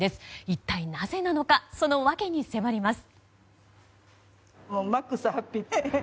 一体なぜなのかその訳に迫ります。